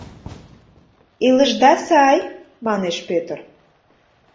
— Илышда сай, — манеш Пӧтыр.